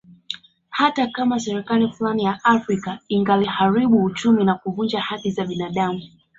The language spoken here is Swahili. Hata kama serikali fulani ya Afrika ingeliharibu uchumi na kuvunja haki za binadamu